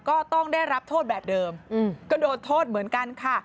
ก็ต้องได้รับโทษแบบเดิมก็โดนโทษเหมือนกันค่ะ